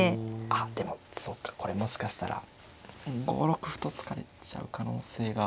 あっでもそうかこれもしかしたら５六歩と突かれちゃう可能性が。